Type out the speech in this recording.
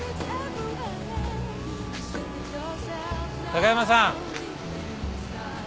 高山さん。